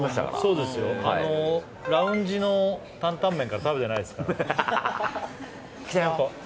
ラウンジの担々麺から食べてないですから。